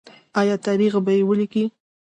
آیا تاریخ به یې ولیکي؟